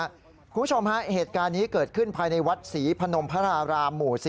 คุณผู้ชมฮะเหตุการณ์นี้เกิดขึ้นภายในวัดศรีพนมพระรารามหมู่๔